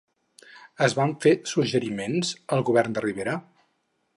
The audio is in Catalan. Es van fer suggeriments al govern de Rivera?